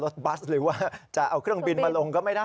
แต่ถ้าเกิดไม่เถียงกันนะนะ